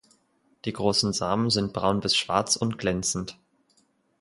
Die großen Samen sind braun bis schwarz und glänzend.